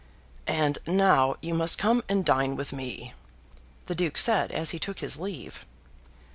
"And now you must come and dine with me," the Duke said as he took his leave.